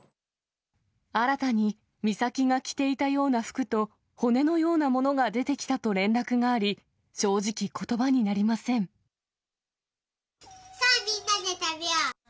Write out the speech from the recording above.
新たに美咲が着ていたような服と骨のようなものが出てきたと連絡があり、正直、さあ、みんなで食べよう。